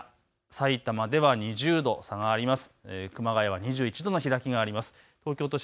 さいたまでは２０度下がります。